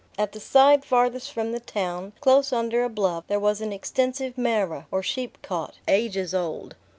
At the side farthest from the town, close under a bluff, there was an extensive marah, or sheepcot, ages old.